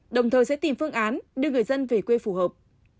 đồng thời sẽ tìm phương án đưa người dân về quê phù hợp